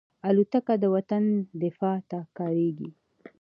الوتکه د وطن دفاع ته کارېږي.